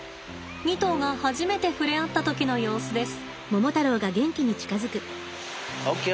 ２頭が初めて触れ合った時の様子です。